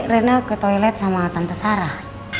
rena ke toilet sama tante sarah